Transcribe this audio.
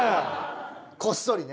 こっそりね。